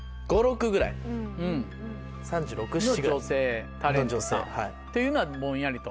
の女性タレントさんっていうのはぼんやりと。